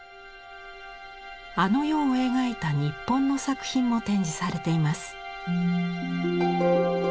あの世を描いた日本の作品も展示されています。